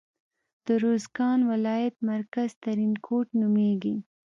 د روزګان ولایت مرکز ترینکوټ نومیږي.